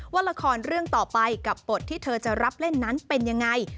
ว่าละครเรื่องต่อไปกับบทที่เธอจะรับเล่นนั้นเป็นยังไง